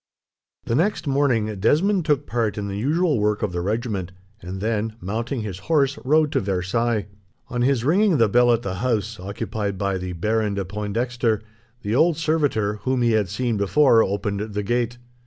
The next morning, Desmond took part in the usual work of the regiment, and then, mounting his horse, rode to Versailles. On his ringing the bell at the house occupied by the Baron de Pointdexter, the old servitor, whom he had before seen, opened the gate.